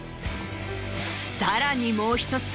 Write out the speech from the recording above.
さらにもう１つ